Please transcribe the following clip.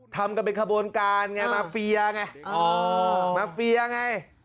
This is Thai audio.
ทำกับเป็นขบวนการไงมาเฟียไง